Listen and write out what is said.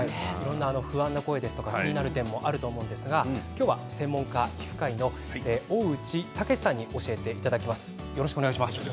不安の声や気になることもあると思うんですが今日は専門家皮膚科医の大内健嗣さんに教えていただきます。